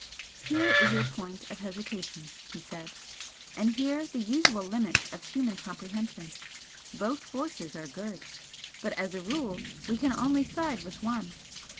"Here is your point of hesitation," he said "and here the usual limit of human comprehension. Both forces are good, but as a rule we can only side with one.